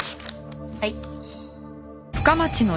はい。